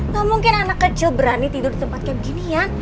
gak mungkin anak kecil berani tidur di tempat kayak gini ya